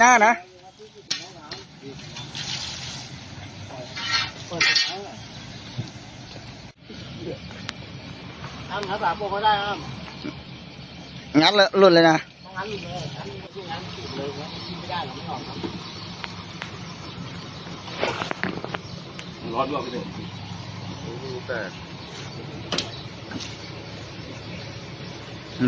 น้ำน้ำสาปก็ได้อ่ะงัดลุดเลยนะ